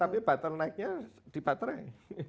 tapi butternightnya di baterai